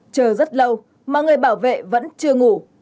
chờ rất lâu mà người bảo vệ vẫn chưa ngủ